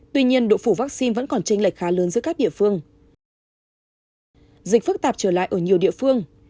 tuy nhiên độ phủ vaccine vẫn còn tranh lệch khá lớn giữa các địa phương